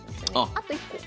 あと１個。